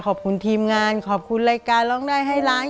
ขอบคุณทีมงานขอบคุณรายการร้องได้ให้ล้าน